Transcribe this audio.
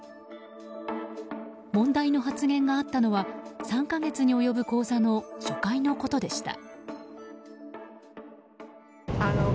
問題の発言があったのは３か月に及ぶ講座の初回のことでした。